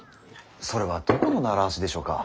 それはどこの習わしでしょうか。